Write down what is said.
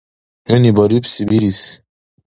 — ХӀуни барибси бирис!